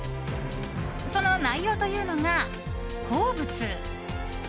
その内容というのが鉱物。